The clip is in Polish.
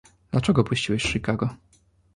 "Dlaczego opuściłeś Chicago?"